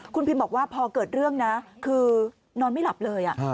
คุณพิมบอกว่าพอเกิดเรื่องนะคือนอนไม่หลับเลย